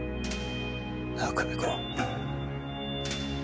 なあ久美子。